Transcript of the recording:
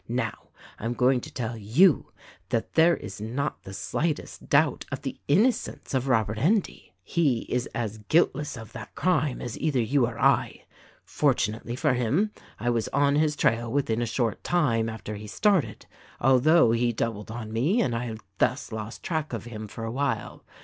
Now, I am going to tell you that there is not the slightest doubt of the inno cence of Robert Endy. He is as guiltless of that crime as cither you or I. Fortunately for him I was on his trail within a short time after he started, — although he doubled on me, and I thus lost track of him for a while.